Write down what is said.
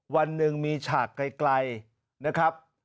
วันหนึ่งมีฉากไกลนะครับ